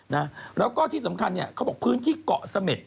นะแล้วก็ที่สำคัญเนี่ยเขาบอกพื้นที่เกาะเสม็ด